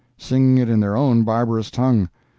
—singing it in their own barbarous tongue!